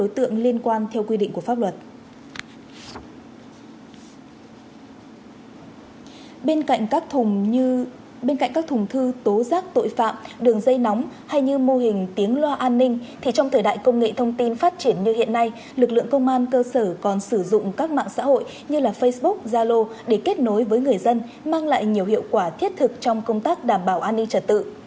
trong thời đại công nghệ thông tin phát triển như hiện nay lực lượng công an cơ sở còn sử dụng các mạng xã hội như facebook zalo để kết nối với người dân mang lại nhiều hiệu quả thiết thực trong công tác đảm bảo an ninh trật tự